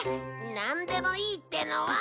なんでもいいってのは！